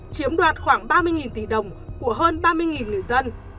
chiếm đoạt khoảng ba mươi tỷ đồng của hơn ba mươi người dân